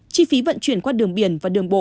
chi phí vận chuyển qua đường biển và đường bộ